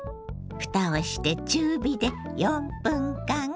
蓋をして中火で４分間。